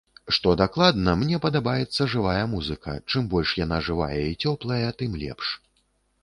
Што дакладна, мне падабаецца жывая музыка, чым больш яна жывая і цёплая, тым лепш.